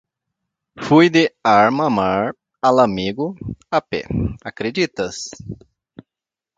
Fui de Armamar a Lamego a pé! Acreditas?